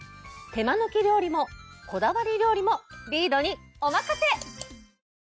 手間抜き料理もこだわり料理もリードにおまかせ！